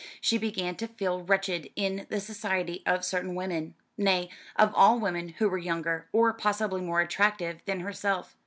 She began to feel wretched in the society of certain women nay, of all women who were younger, or possibly more attractive, than herself.